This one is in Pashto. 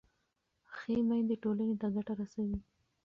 ښه میندې ټولنې ته ګټه رسوي.